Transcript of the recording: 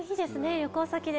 旅行先で。